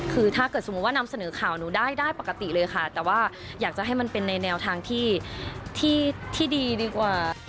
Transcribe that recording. คือถ้าเกิดสมมุติว่านำเสนอข่าวหนูได้ได้ปกติเลยค่ะแต่ว่าอยากจะให้มันเป็นในแนวทางที่ดีดีกว่า